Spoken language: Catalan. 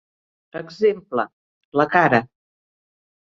Exemple: la cara.